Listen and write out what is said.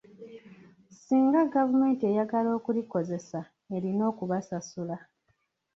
Singa gavumenti eyagala okulikozesa erina okubasasula.